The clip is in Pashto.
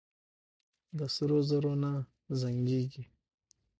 د سرو زرو نه زنګېږي.